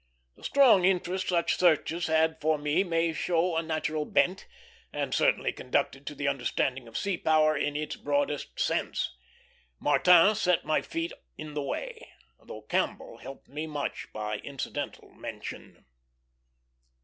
The strong interest such searches had for me may show a natural bent, and certainly conduced to the understanding of sea power in its broadest sense. Martin set my feet in the way, though Campbell helped me much by incidental mention.